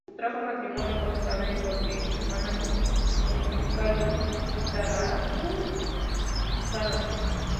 Contrajo matrimonio con Isabel Rodríguez, hermana de un boticario zaragozano.